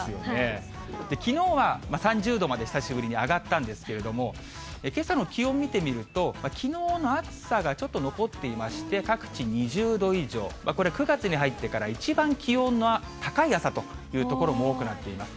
きのうは３０度まで久しぶりに上がったんですけれども、けさの気温見てみると、きのうの暑さがちょっと残っていまして、各地２０度以上、これ、９月に入ってから一番気温の高い朝という所も多くなっています。